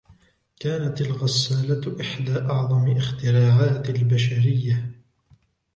كانت الغسّالة إحدى أعظم اختراعات البشرية.